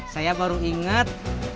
saya baru inget